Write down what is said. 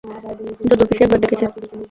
যদুর পিসি একবার ডেকেছে।